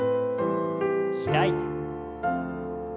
開いて。